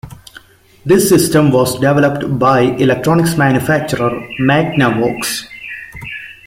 This system was developed by electronics manufacturer, Magnavox.